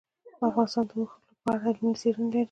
افغانستان د اوښ په اړه علمي څېړنې لري.